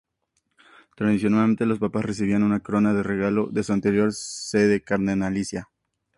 Tradicionalmente, los papas recibían una corona de regalo de su anterior sede cardenalicia.